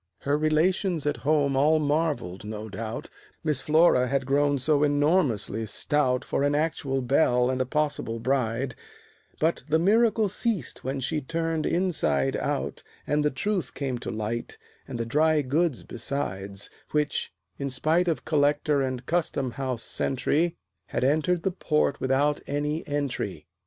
Her relations at home all marveled, no doubt, Miss Flora had grown so enormously stout For an actual belle and a possible bride; But the miracle ceased when she turned inside out, And the truth came to light, and the dry goods besides, Which, in spite of Collector and Custom House sentry, Had entered the port without any entry.